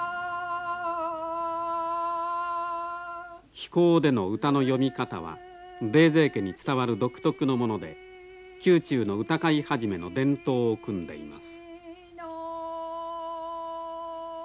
披講での歌の詠み方は冷泉家に伝わる独特のもので宮中の歌会始の伝統をくんでいます。